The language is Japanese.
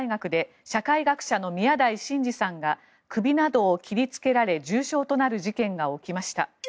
昨日夕方、東京都立大学で社会学者の宮台真司さんが首などを切りつけられ重傷となる事件が起きました。